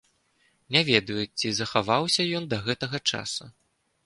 Не ведаю, ці захаваўся ён да гэтага часу.